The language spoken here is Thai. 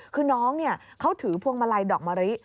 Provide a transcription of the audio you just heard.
คือน้องเขาถือพวงมาลัยดอกมะลิ